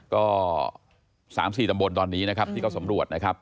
ก็๓๔ตำบลตอนนี้นะครับที่เขาสำรวจนะครับ